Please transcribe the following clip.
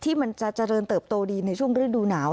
มันจะเจริญเติบโตดีในช่วงฤดูหนาว